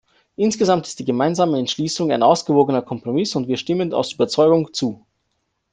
Insgesamt ist die Gemeinsame Entschließung ein ausgewogener Kompromiss und wir stimmen aus Überzeugung zu.